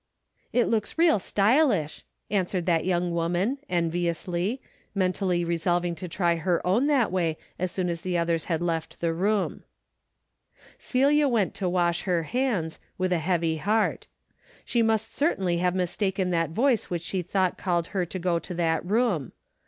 It looks real stylish," answered that young woman, enviously, mentally resolving to try her own that way as soon as the others had left the room. Celia went to wash her hands, with a heavy heart. She must certainly have mistaken that voice which she thought called her to go to that room.